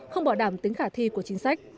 không bỏ đảm tính khả thi của chính sách